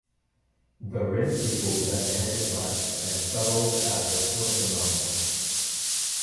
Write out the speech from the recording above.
The Rin people then headed west and settled at the foot of the Mountain.